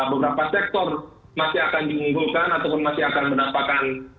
beberapa sektor masih akan diunggulkan ataupun masih akan mendapatkan